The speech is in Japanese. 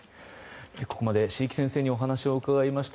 ここまで椎木先生にお話を伺いました。